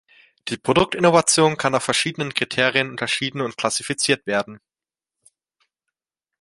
Die Produktinnovation kann nach verschiedenen Kriterien unterschieden und klassifiziert werden.